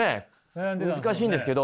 難しいんですけど。